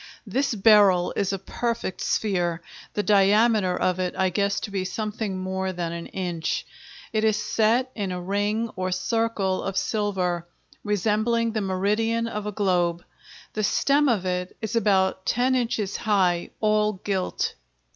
This Beryl is a perfect sphere, the diameter of it I guess to be something more than an inch; it is set in a ring, or circle, of silver, resembling the meridian of a globe; the stem of it is about ten inches high, all gilt.